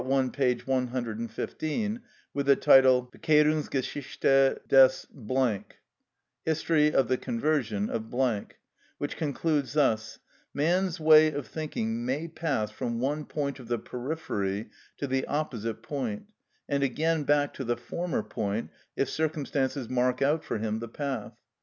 i. p. 115) with the title "Bekehrungsgeschichte des " ("History of the Conversion of "), which concludes thus: "Man's way of thinking may pass from one point of the periphery to the opposite point, and again back to the former point, if circumstances mark out for him the path.